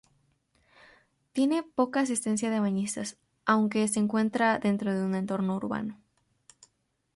Tiene poca asistencia de bañistas, aunque se encuentra dentro de un entorno urbano.